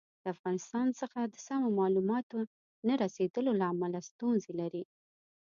د افغانستان څخه د سمو معلوماتو نه رسېدلو له امله ستونزې لري.